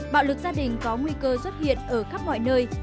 bạo lực gia đình có nguy cơ xuất hiện ở khắp mọi nơi